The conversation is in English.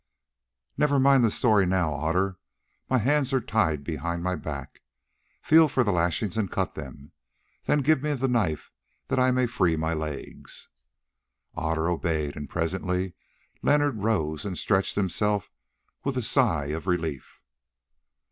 "Never mind the story now, Otter. My hands are tied behind my back. Feel for the lashings and cut them, then give me the knife that I may free my legs." Otter obeyed, and presently Leonard rose and stretched himself with a sigh of relief.